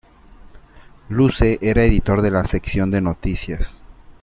Luce era editor de la sección de noticias.